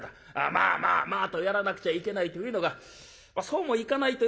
『まあまあまあ』とやらなくちゃいけないというのがそうもいかないというのがね